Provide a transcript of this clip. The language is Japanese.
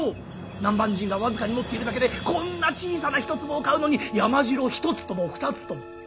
南蛮人が僅かに持っているだけでこんな小さな一粒を買うのに山城１つとも２つとも。